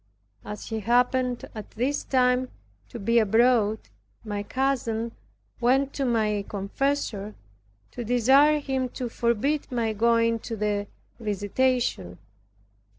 As he happened at this time to be abroad, my cousin went to my confessor, to desire him to forbid my going to the visitation.